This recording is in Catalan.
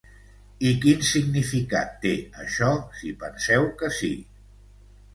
I quin significat té això si penseu que sí?